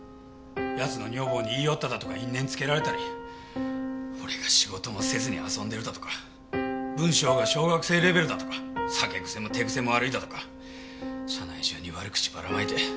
奴の女房に言い寄っただとか因縁つけられたり俺が仕事もせずに遊んでるだとか文章が小学生レベルだとか酒癖も手癖も悪いだとか社内中に悪口ばらまいて。